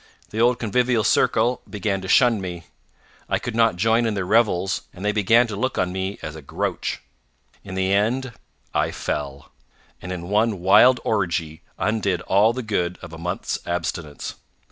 The old convivial circle began to shun me. I could not join in their revels and they began to look on me as a grouch. In the end, I fell, and in one wild orgy undid all the good of a month's abstinence.